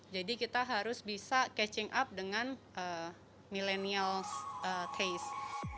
jadi kita harus bisa catching up dengan millenial taste